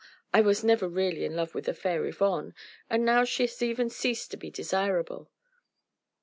I was never really in love with the fair Yvonne, and now she has even ceased to be desirable....